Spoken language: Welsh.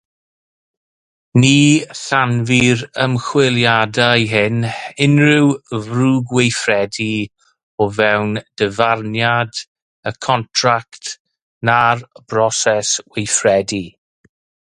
Ni chanfu'r ymchwiliadau hyn unrhyw ddrwgweithredu o fewn dyfarniad y contract na'r broses weithredu.